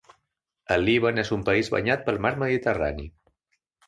El Líban és un país banyat pel mar Mediterrani.